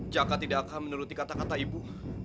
jaka tidak akan menuruti kata kata ibu